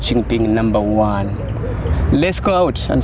chúng ta đều đau đớn đều đau đớn vì nước của chúng